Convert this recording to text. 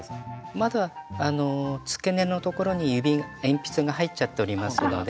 まだ付け根のところに鉛筆が入っちゃっておりますので。